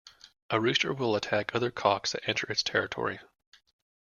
A rooster will attack other cocks that enter its territory.